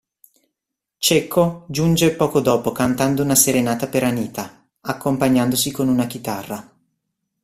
Cecco giunge poco dopo cantando una serenata per Anita, accompagnandosi con una chitarra.